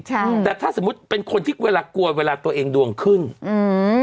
ใช่แต่ถ้าสมมุติเป็นคนที่เวลากลัวเวลาตัวเองดวงขึ้นอืม